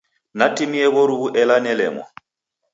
Natimie w'oruw'u ela nelemwa.